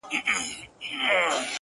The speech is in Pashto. گنې د کفر په نامه ماته مُلا وايي!!